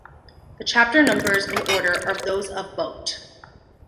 The chapter numbers and order are those of Botte.